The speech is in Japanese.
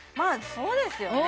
そうですよね